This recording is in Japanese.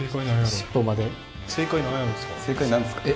正解何なんですか？